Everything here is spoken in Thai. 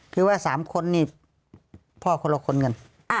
คือว่า๓คนนี่พ่อคนละคนกัน